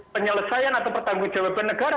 penyelesaian atau pertanggung jawaban negara